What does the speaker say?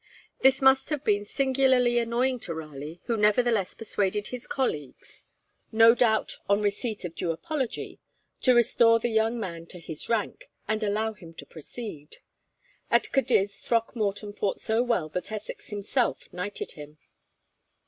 This must have been singularly annoying to Raleigh, who nevertheless persuaded his colleagues, no doubt on receipt of due apology, to restore the young man to his rank, and allow him to proceed. At Cadiz, Throckmorton fought so well that Essex himself knighted him.